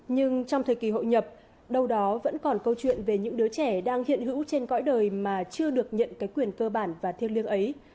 nhưng trong thời kỳ hội nhập đâu đó vẫn còn câu chuyện về những đứa trẻ đang hiện hữu trên cõi đời mà chưa được nhận cái quyền cơ bản và thiêng liêng ấy